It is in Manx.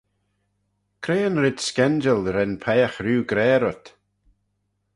Cre yn red s'kenjal ren peiagh rieau gra rhyt?